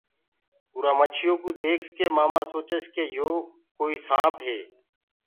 اُرآ مڇيو ڪوُ ديک ڪي مآمآ سوچس ڪي يو ڪوئي سآنپ هي۔